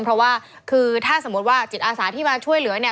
เพราะว่าคือถ้าสมมุติว่าจิตอาสาที่มาช่วยเหลือเนี่ย